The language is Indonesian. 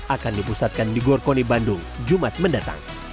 akan dipusatkan di gor koni bandung jumat mendatang